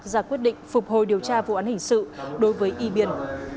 ra quyết định phục hồi điều tra vụ án hình sự đối với ibn